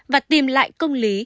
và tìm lại công lý